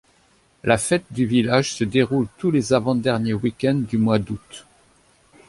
La fête du village se déroule tous les avant-derniers weekends du mois d’août.